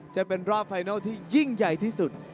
จะเป็นรอบไฟนัลที่ยิ่งใหญ่ที่สุด